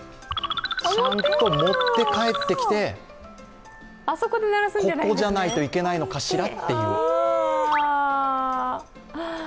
ちゃんと持って帰ってきて、ここじゃないといけないのかしらっていう。